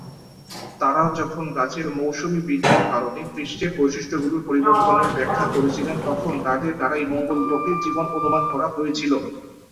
তারা যখন গাছের মৌসুমী বৃদ্ধির কারণে পৃষ্ঠের বৈশিষ্ট্যগুলির পরিবর্তনের ব্যাখ্যা করেছিলেন তখন তাদের দ্বারাই মঙ্গল গ্রহে জীবন অনুমান করা হয়েছিল।